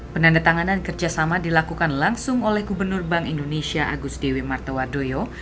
penandatanganan kerjasama dilakukan langsung oleh gubernur bank indonesia agus dewi martawadoyo